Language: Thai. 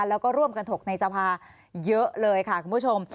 แล้วก็ร่วมกันถกในสภาเยอะเลยค่ะคุณผู้ชม